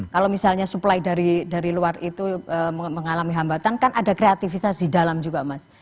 kalau misalnya supply dari luar itu mengalami hambatan kan ada kreativitas di dalam juga mas